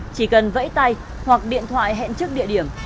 chỉ cần vẫy tay hoặc điện thoại hẹn trước địa điểm